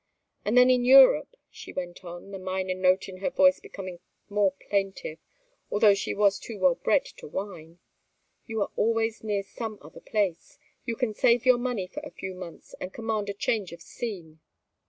And then in Europe," she went on, the minor note in her voice becoming more plaintive, although she was too well bred to whine, "you are always near some other place. You can save your money for a few months and command a change of scene.